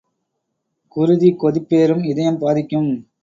குருதி கொதிப்பேறும் இதயம் பாதிக்கும்!